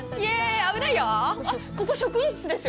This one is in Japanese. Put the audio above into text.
危ないよ。